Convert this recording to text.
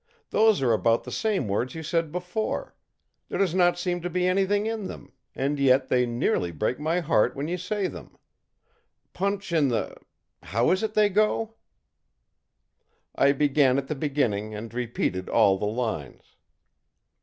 Those are about the same words you said before; there does not seem to be anything in them, and yet they nearly break my heart when you say them. Punch in the how is it they go?î I began at the beginning and repeated all the lines.